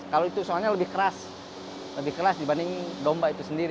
kalau itu soalnya lebih keras lebih keras dibanding domba itu sendiri